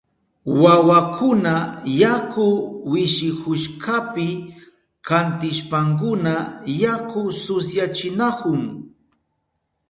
Wawakuna yaku wishihushkapi kantishpankuna yakuta susyachinahun.